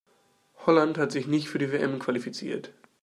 Holland hat sich nicht für die WM qualifiziert.